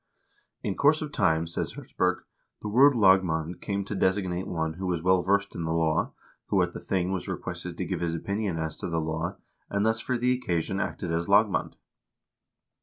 " In course of time," says Hertzberg, " the word 'lagmand' came to designate one who was well versed in the law, who at the thing was requested to give his opinion as to the law, and thus for the occasion acted as lagmand."